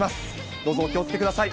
どうぞお気をつけください。